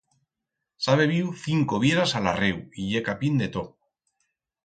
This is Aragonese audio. S'ha bebiu cinco bieras a l'arreu y ye capín de tot.